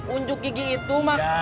unduk gigi itu mak